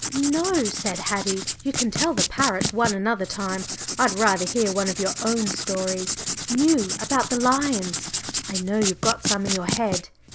"No," said Haddie, "you can tell the parrot one another time. I'd rather hear one of your own stories, new, about the lions. I know you've got some in your head.